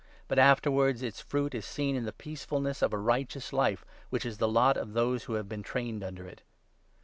But afterwards its fruit is seen in the peacefulness of a righteous life which is the lot of those who have been trained under it.